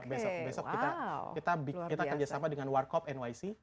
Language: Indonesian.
besok kita kerjasama dengan warcop nyc